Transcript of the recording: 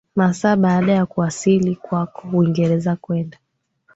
masaa baada ya kuwasili kwako Uingereza kwenda